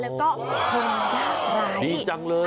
และก็คนบ้านใดดีจังเลย